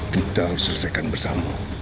kita harus selesaikan bersama